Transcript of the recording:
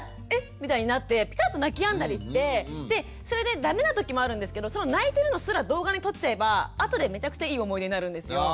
みたいになってピタっと泣きやんだりしてでそれでダメな時もあるんですけどその泣いてるのすら動画に撮っちゃえばあとでめちゃくちゃいい思い出になるんですよ。